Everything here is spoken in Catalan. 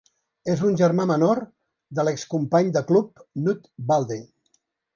És un germà menor de l'excompany de club Knut Walde.